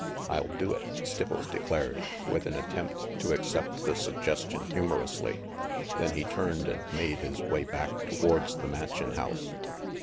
"I'll do it," Stipples declared, with an attempt to accept the suggestion humorously. Then he turned and made his way back towards the Mansion House.